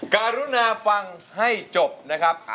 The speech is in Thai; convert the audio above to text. การุณาฟังให้จบนะครับ